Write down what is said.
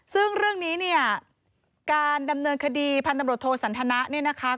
ซึ่งเรื่องนี้การดำเนินคดีพันธมโรโทสันธนะ